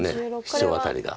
シチョウアタリが。